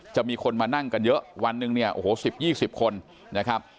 จะมีคนมานั่งกันเยอะวันหนึ่งเนี่ยโอ้โห๑๐๒๐คนนะครับ